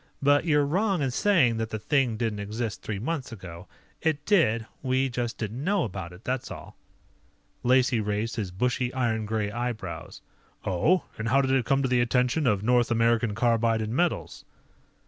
But you're wrong in saying that the thing didn't exist three months ago. It did. We just didn't know about it, that's all." Lacey raised his bushy, iron gray eyebrows. "Oh? And how did it come to the attention of North American Carbide & Metals?"